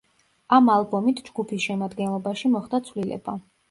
ამ ალბომით ჯგუფის შემადგენლობაში მოხდა ცვლილება.